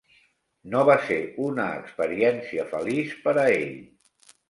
No va ser una experiència feliç per a ell.